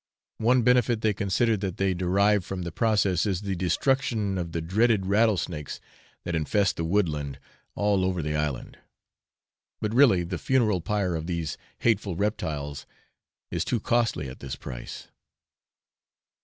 One benefit they consider that they derive from the process is the destruction of the dreaded rattlesnakes that infest the woodland all over the island; but really the funeral pyre of these hateful reptiles is too costly at this price.